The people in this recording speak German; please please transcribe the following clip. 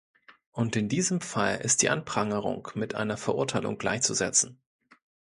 Und in diesem Fall ist die Anprangerung mit einer Verurteilung gleichzusetzen.